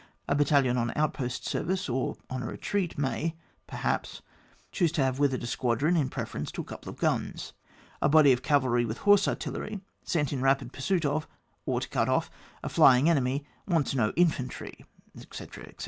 A battalivi on outpost service or on a retreat may, per haps, choose to have with it a squadron in preference to a couple of guns. A body of cavalry with horse artillery, sent in rapid pursuit of, or to cut ofi^ a flying enemy wants no infantry, etc., etc.